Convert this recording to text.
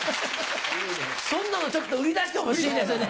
そんなのちょっと売り出してほしいですよね！